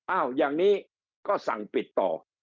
อย่างนี้ก็สั่งปิดต่อ